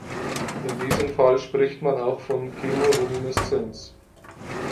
In diesem Fall spricht man auch von Chemolumineszenz.